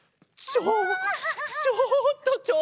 ちょちょっとちょっと。